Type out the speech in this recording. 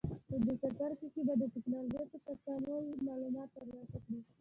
په دې څپرکي کې به د ټېکنالوجۍ په تکامل معلومات ترلاسه کړئ.